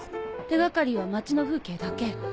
手掛かりは町の風景だけ。